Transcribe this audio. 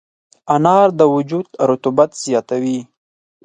انار د وجود رطوبت زیاتوي.